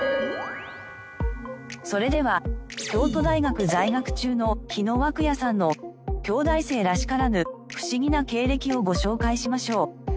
それでは京都大学在学中の日野湧也さんの京大生らしからぬフシギな経歴をご紹介しましょう。